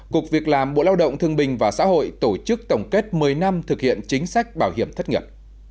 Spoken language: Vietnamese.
cục việc làm bộ lao động thương bình và xã hội tổ chức tổng kết một mươi năm thực hiện chính sách bảo hiểm thất nghiệp